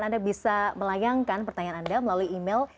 anda bisa melayangkan pertanyaan anda melalui email